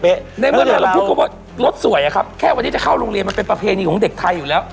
ในเมื่อเราพูดกันว่ารถสวยอะครับแค่วันนี้จะเข้าโรงเรียนมันเป็นประเพณีของเด็กไทยอยู่แล้ว